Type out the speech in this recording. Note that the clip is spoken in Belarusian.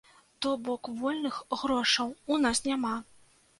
То бок вольных грошаў у нас няма.